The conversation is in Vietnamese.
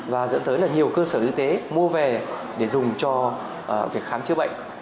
và dẫn tới là nhiều cơ sở y tế mua về để dùng cho việc khám chữa bệnh